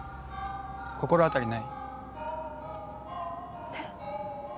心当たりない？え？